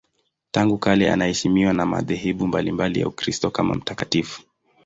Tangu kale anaheshimiwa na madhehebu mbalimbali ya Ukristo kama mtakatifu.